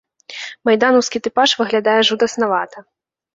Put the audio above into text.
Майданаўскі тыпаж выглядае жудаснавата.